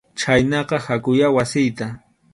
Chhaynaqa hakuyá wasiyta.